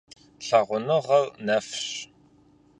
Лъагъуныгъэр нэфщ.